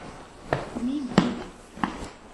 Mi vidis!